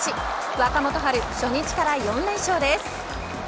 若元春、初日から４連勝です。